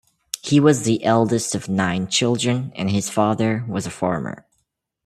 He was the eldest of nine children and his father was a farmer.